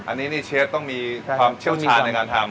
อันนี้นี่เชฟต้องมีความเชี่ยวชาญในการทำ